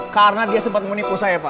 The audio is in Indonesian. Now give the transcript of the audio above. karena dia sempat menipu saya pak